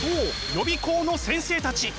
予備校の先生たち。